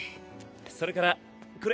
それからこれ。